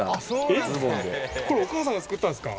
これお母さんが作ったんですか？